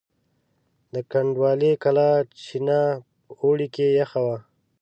د کنډوالې کلا چینه په اوړي کې یخه وه.